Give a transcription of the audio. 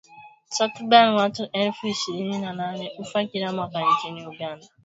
Takriban watu elfu ishirini na nane hufa kila mwaka nchini Uganda